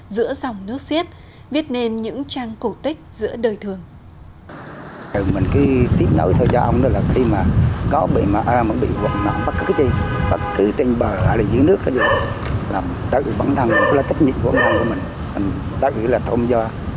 giữa dòng nước xiết viết nên những trang cổ tích giữa đời thường